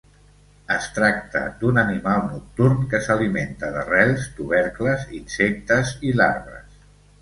Es tracta d'un animal nocturn que s'alimenta d'arrels, tubercles, insectes i larves.